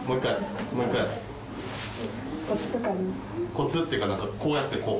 コツっていうかこうやってこう。